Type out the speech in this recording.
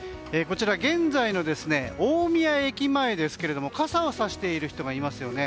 現在の大宮駅前ですが傘をさしている人がいますよね。